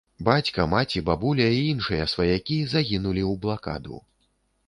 Бацька, маці, бабуля і іншыя сваякі загінулі ў блакаду.